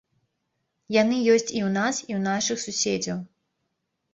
Яны ёсць і ў нас, і ў нашых суседзяў.